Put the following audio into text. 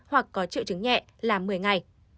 hoặc có triệu chứng nhẹ là một mươi ngày